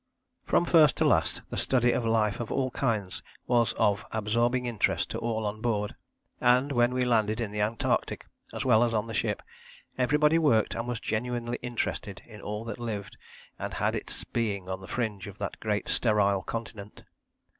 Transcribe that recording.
From first to last the study of life of all kinds was of absorbing interest to all on board, and, when we landed in the Antarctic, as well as on the ship, everybody worked and was genuinely interested in all that lived and had its being on the fringe of that great sterile continent.